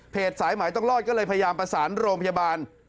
สายหมายต้องรอดก็เลยพยายามประสานโรงพยาบาล